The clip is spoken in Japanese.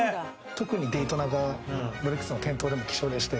特にデイトナがロレックスの店頭でも希少でして。